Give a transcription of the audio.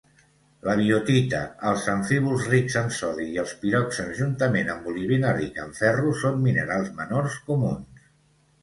La biotita, els amfíbols rics en sodi i els piroxens juntament amb olivina rica en ferro són minerals menors comuns.